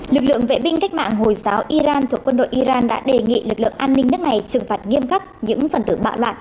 lực lượng vệ binh cách mạng hồi giáo iran thuộc quân đội iran đã đề nghị lực lượng an ninh nước này trừng phạt nghiêm khắc những phần tử bạo loạn